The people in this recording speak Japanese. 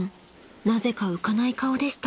なぜか浮かない顔でした］